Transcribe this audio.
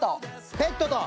ペットと。